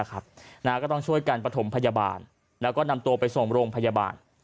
ก็ต้องช่วยกันประถมพยาบาลแล้วก็นำตัวไปส่งโรงพยาบาล